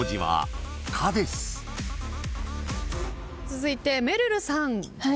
続いてめるるさん。